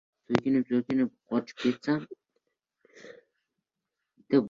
Agar sen biror narsani o‘ylab topa olsang, uni bajarishga ham qodirsan.